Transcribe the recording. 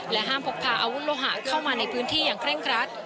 ห้ามพกพาอาวุธโลหะเข้ามาในพื้นที่อย่างเร่งครัด